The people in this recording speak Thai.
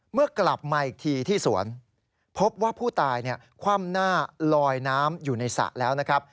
เมื่อกลับมาอีกทีที่สวนพบว่าผู้ตายคว่ำหน้าลอยน้ำอยู่ในสระแล้วนะครับ